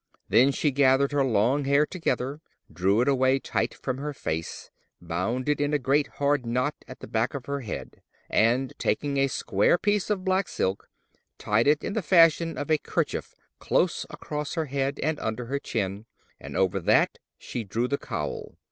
Then she gathered her long hair together, drew it away tight from her face, bound it in a great hard knot at the back of her head, and taking a square piece of black silk, tied it in the fashion of a kerchief close across her head and under her chin; and over that she drew the cowl.